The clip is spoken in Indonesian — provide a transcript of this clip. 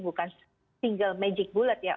bukan single magic bulet ya